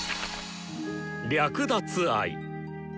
略奪愛。